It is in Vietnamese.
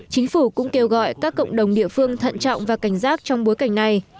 chính phủ cũng kêu gọi các cộng đồng địa phương thận trọng và cảnh giác trong bối cảnh này